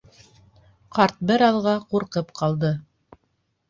Ҡарт бер аҙға ҡурҡып ҡалды.